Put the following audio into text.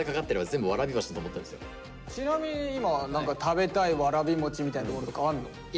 ちなみに今何か食べたいわらび餅みたいなとかあるの？